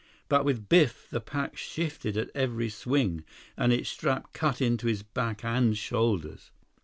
But with Biff, the pack shifted at every swing, and its straps cut into his back and shoulders.